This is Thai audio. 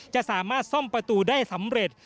จะสามารถซ่อมประตูได้สำเร็จ